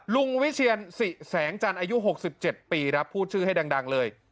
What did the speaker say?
วิเชียนสิแสงจันทร์อายุ๖๗ปีครับพูดชื่อให้ดังเลย